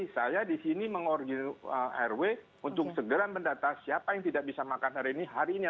jadi saya disini mengorginal r w untuk segera mendata siapa yang tidak bisa makan hari ini